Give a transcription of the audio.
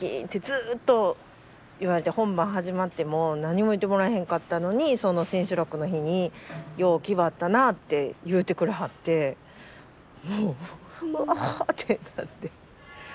本番始まっても何も言ってもらえへんかったのにその千秋楽の日に「よう気張ったな」って言うてくれはってもう「わ！」ってなって。